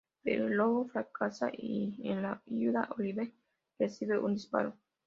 Pero el robo fracasa y en la huida, Oliver recibe un disparo.